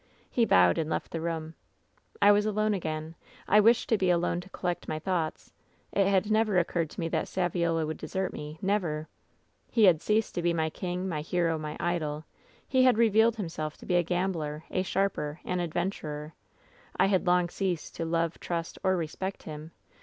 "He bowed and left the room. "I was alone again. I wished to be alone to collect my thoughts. It had never occurred to me that Saviola would desert me — never! "He had ceased to be my king, my hero, my idol. He had revealed himself to be a gambler, a sharper, an adventurer. I had long ceased to love, trust, or respect him.